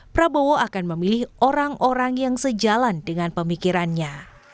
prabowo akan memilih orang orang yang sejalan dengan pemikirannya